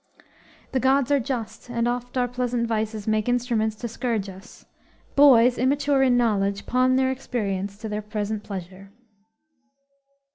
_"The gods are just, and oft our pleasant vices Make instruments to scourge us. Boys, immature in knowledge, Pawn their experience to their present pleasure."